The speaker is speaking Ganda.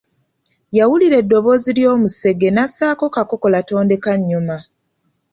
Yawulira eddoboozi ly’omusege n’assaako kakokola tondekannyuma.